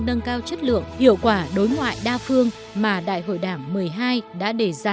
nâng cao chất lượng hiệu quả đối ngoại đa phương mà đại hội đảng một mươi hai đã đề ra